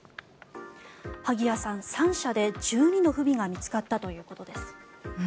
萩谷さん、３社で１２の不備が見つかったということです。